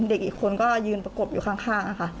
เด็กอีกคนก็ยืนประกบอยู่ข้างค่ะ